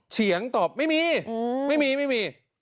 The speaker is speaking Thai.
เฉียงตอบไม่มีไม่มีไม่มี